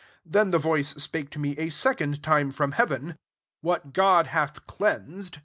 9 Then the voice spakt to me a second time from hea ven, 'What God hath cleansed, • Gt.